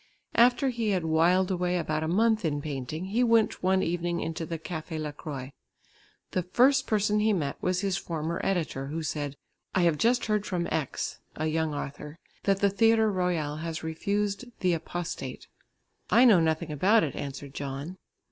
After he had wiled away about a month in painting, he went one evening into the Café La Croix. The first person he met was his former editor, who said, "I have just heard from X." (a young author) "that the Theatre Royal has refused The Apostate." "I know nothing about it," answered John.